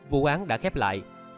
vụ án đã khép lại